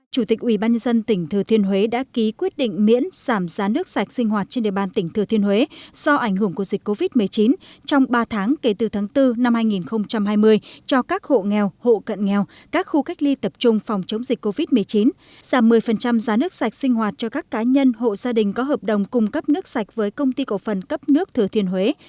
chủ tịch ubnd tỉnh thừa thiên huế đã ký quyết định miễn giảm giá nước sạch sinh hoạt trên địa bàn tỉnh thừa thiên huế do ảnh hưởng của dịch covid một mươi chín trong ba tháng kể từ tháng bốn năm hai nghìn hai mươi cho các hộ nghèo hộ cận nghèo các khu cách ly tập trung phòng chống dịch covid một mươi chín giảm một mươi giá nước sạch sinh hoạt cho các cá nhân hộ gia đình có hợp đồng cung cấp nước sạch với công ty cầu phần cấp nước thừa thiên huế